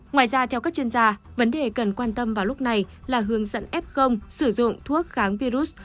ngoài ra theo các chuyên gia vấn đề cần quan tâm vào lúc này là hướng dẫn f sử dụng thuốc kháng virus